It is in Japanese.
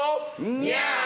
ニャー！